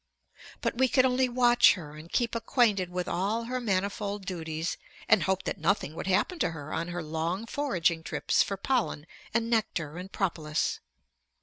But we could only watch her and keep acquainted with all her manifold duties and hope that nothing would happen to her on her long foraging trips for pollen and nectar and propolis.